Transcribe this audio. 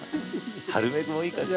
春メグもいいかしら。